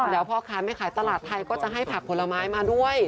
แล้วพ่อค้าแม่ขายตลาดไทยก็จะให้ผักผลไม้มาด้วย